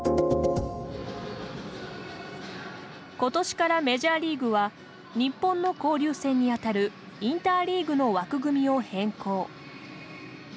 今年からメジャーリーグは日本の交流戦にあたるインターリーグの枠組みを変更。